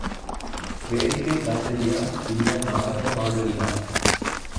வேடிக்கை காட்டுறியா, இல்ல நாடகம் ஆடுறியா?